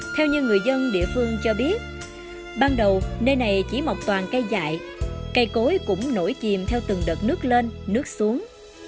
theo như người dân địa phương cho biết ban đầu nơi này chỉ mọc toàn cây dại cây cối cũng nổi chìm theo từng đợt nước lên nước xuống